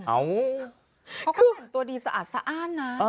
เขาก็เป็นตัวดีสะอาดนะ